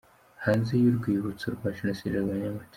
Hanze y'Urwibutso rwa Jenoside rwa Nyamata.